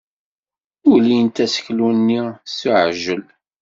Ulint aseklu-nni s uɛijel.